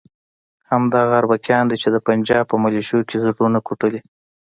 همدغه اربکیان دي چې د پنجاب په ملیشو کې زړونه کوټلي.